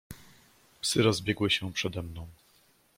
"Psy rozbiegły się przede mną."